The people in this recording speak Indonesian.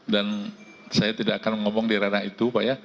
dan saya tidak akan ngomong di ranah itu pak ya